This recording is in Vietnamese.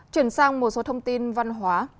chuyển sang một số thông tin văn hóa